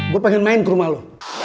gue pengen main ke rumah lo